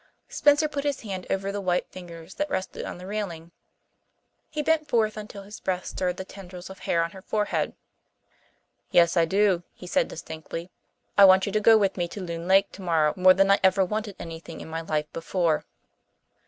Spencer put his hand over the white fingers that rested on the railing. He bent forward until his breath stirred the tendrils of hair on her forehead. "Yes, I do," he said distinctly. "I want you to go with me to Loon Lake tomorrow more than I ever wanted any thing in my life before."